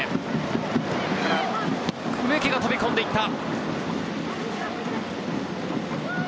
植木が飛び込んでいった！